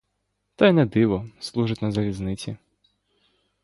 Та й не диво, —служить на залізниці.